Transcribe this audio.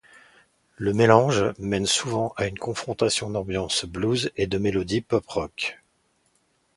Le mélange mène souvent à une confrontation d'ambiances blues et de mélodies pop-rock.